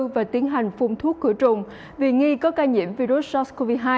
và tiến hành phun thuốc khử trùng vì nghi có ca nhiễm virus sars cov hai